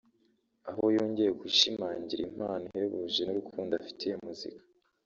aho yongeye gushimangira impano ihebuje n’urukundo afitiye muzika